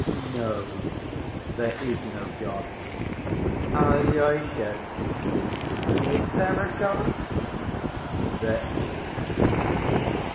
"No, there is no God." "Alyosha, is there a God?" "There is."